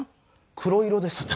黒色ですね。